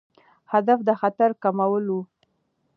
هدف د خطر کمول وو.